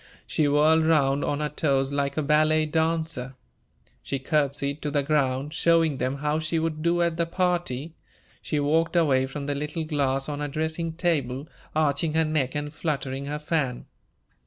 She whirled round on her toes like a ballet dancer. She courtesied to the ground, showing them how she would do at the party. She walked away from the little glass on her dressing table, arching her neck and fluttering her fan.